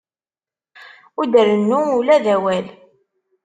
Ur d-rennu ula d awal.